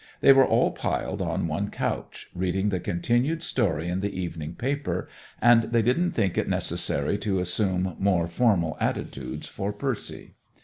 They were all piled on one couch, reading the continued story in the evening paper, and they didn't think it necessary to assume more formal attitudes for Percy.